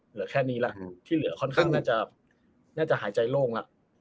เหลือแค่นี้แหละอืมที่เหลือค่อนข้างน่าจะน่าจะหายใจโล่งล่ะ